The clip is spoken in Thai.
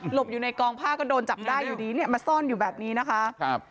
หลบอยู่ในกองผ้าก็โดนจับได้อยู่ดีมาซ่อนอยู่แบบนี้นะคะ